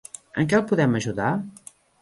En què el podem ajudar?